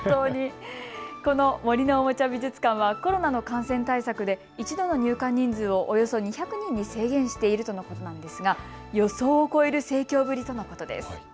この、森のおもちゃ美術館はコロナの感染対策で１度の入館人数をおよそ２００人に制限しているということなんですが予想を超える盛況ぶりとのことです。